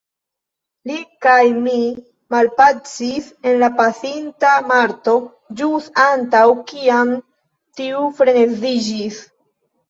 Li kaj mi malpacis en la pasinta Marto, ĵus antaŭ kiam tiu freneziĝis.